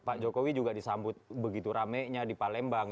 pak jokowi juga disambut begitu rame nya di palembang